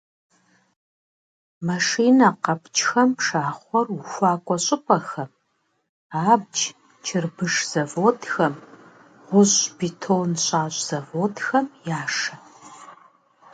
Машинэ къэпкӀхэм пшахъуэр ухуакӀуэ щӀыпӀэхэм, абдж, чырбыш заводхэм, гъущӀ-бетон щащӀ заводхэм яшэ.